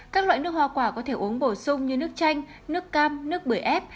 các loại nước hoa quả có thể uống bổ sung như nước chanh nước cam nước bưởi ép